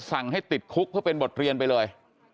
สั่งให้ติดคุกเพื่อเป็นบทเรียนไปเลย